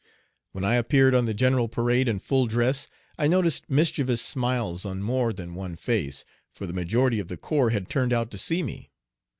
When I appeared on the general parade in full dress, I noticed mischievous smiles on more than one face, for the majority of the corps had turned out to see me.